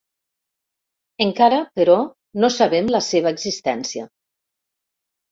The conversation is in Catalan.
Encara, però, no sabem la seva existència.